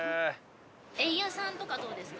エンヤさんとかどうですか？